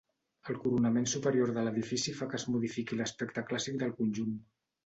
El coronament superior de l'edifici fa que es modifiqui l'aspecte clàssic del conjunt.